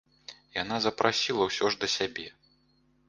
Яна запрасіла ўсе ж да сябе.